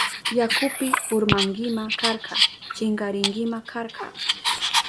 Yakupi urmankima karka, chinkarinkima karka.